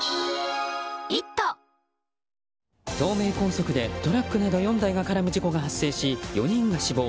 東名高速でトラックなど４台が絡む事故が発生し、４人が死亡。